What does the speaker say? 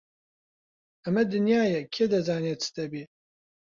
ئەمە دنیایە، کێ دەزانێ چ دەبێ!